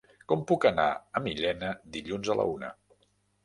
Com puc anar a Millena dilluns a la una?